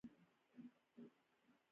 بابا دَپښتو ژبې دَدويمي دورې ليکوال دی،